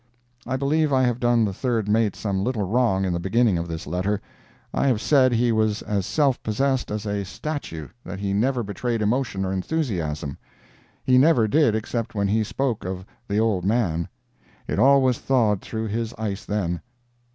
I believe I have done the third mate some little wrong in the beginning of this letter. I have said he was as self possessed as a statue that he never betrayed emotion or enthusiasm. He never did except when he spoke of "the old man." It always thawed through his ice then.